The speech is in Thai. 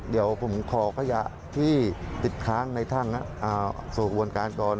เดี๋ยวผมขอกระยะที่ติดค้างในท่างสู่วนการก่อน